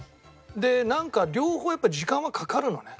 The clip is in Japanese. なんか両方やっぱり時間はかかるのね。